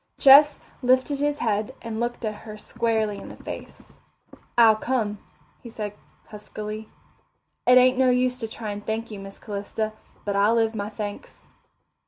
Ches lifted his head and looked her squarely in the face. "I'll come," he said huskily. "It ain't no use to try and thank you, Miss Calista. But I'll live my thanks."